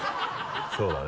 そうだね。